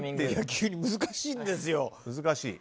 急に難しいんですよ。